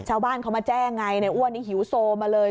ชาวบ้านเขามาแจ้งไงในอ้วนนี่หิวโซมาเลย